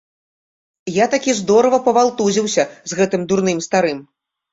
Я такі здорава павалтузіўся з гэтым дурным старым.